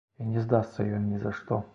І не здасца ён нізашто.